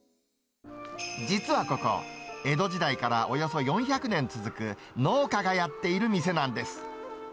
実はここ、江戸時代からおよそ４００年続く農家がやっている店なんです。